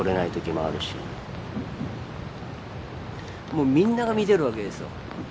もうみんなが見てるわけですよ。